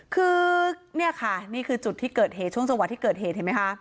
คือเนี่ยค่ะนี่คือจุดที่เกิดเหตุช่วงจังหวะที่เกิดเหตุเห็นไหมคะ